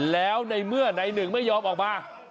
แล้วในเมื่อนายหนึ่งไม่ยอมออกมา